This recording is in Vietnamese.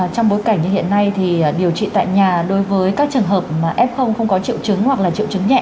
trong bối cảnh như hiện nay thì điều trị tại nhà đối với các trường hợp f không có triệu chứng hoặc là triệu chứng nhẹ